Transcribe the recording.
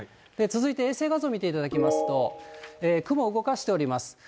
続いて衛星画像を見ていただきますと、雲動かしております。